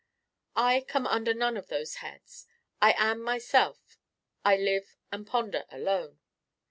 I come under none of those heads. I am myself. I live and ponder alone.